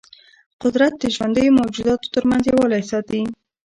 قدرت د ژوندیو موجوداتو ترمنځ یووالی ساتي.